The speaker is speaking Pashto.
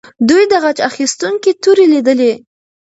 دوی د غچ اخیستونکې تورې لیدلې.